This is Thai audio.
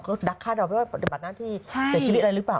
ก็ดักคาดเราไม่ว่าปฏิบัติหน้าที่เสียชีวิตอะไรหรือเปล่า